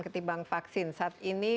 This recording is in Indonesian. ketimbang vaksin saat ini